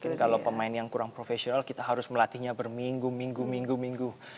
mungkin kalau pemain yang kurang profesional kita harus melatihnya berminggu minggu minggu minggu